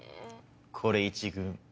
これ一軍。